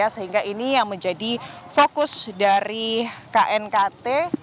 sehingga ini yang menjadi fokus dari knkt